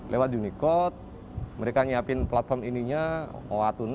lewat unicode mereka nyiapin platform ininya